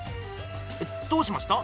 どうしました？